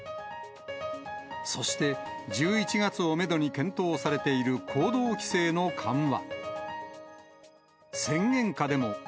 そして、１１月をメドに検討されている行動規制の緩和。